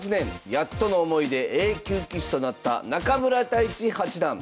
やっとの思いでＡ級棋士となった中村太地八段。